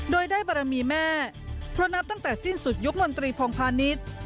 โดยได้บารมีแม่เพราะนับตั้งแต่สิ้นสุดยุคมนตรีพงพาณิชย์